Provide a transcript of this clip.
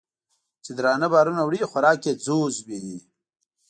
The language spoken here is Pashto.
چې درانه بارونه وړي خوراک یې ځوځ وي